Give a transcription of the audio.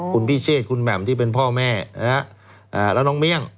คุณพิเชษคุณแหม่มที่เป็นพ่อแม่แล้วน้องเมี่ยง